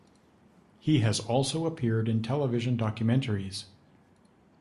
He has also appeared in television documentaries.